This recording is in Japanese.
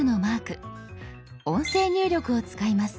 音声入力を使います。